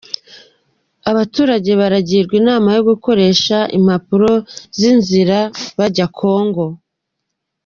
Abaturage baragirwa inama yo gukoresha impapuro z’inzira bajya Congo